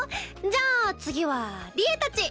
じゃあ次は利恵たち！